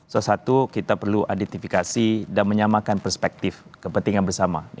salah satu kita perlu identifikasi dan menyamakan perspektif kepentingan bersama